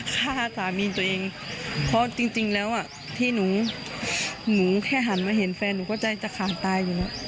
หัวเล็กมันมีสีอะไร